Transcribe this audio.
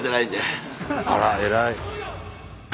あら偉い。